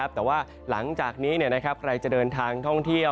แต่ว่าหลังจากนี้ใครจะเดินทางท่องเที่ยว